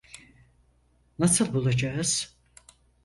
Nasıl bulacağız?